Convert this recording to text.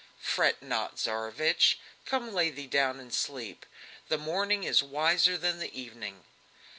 "Fret not, Tsarevich! come, lay thee down and sleep. The morning is wiser than the evening!"